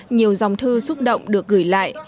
nhiều dòng thư xúc động được gửi lại